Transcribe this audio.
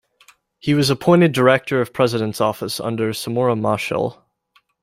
He was appointed director of President's office under Samora Machel.